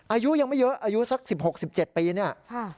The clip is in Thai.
อายุยังไม่เยอะอายุสัก๑๖๑๗ปีเนี่ย